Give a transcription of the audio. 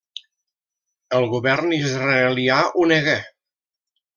El govern israelià ho nega.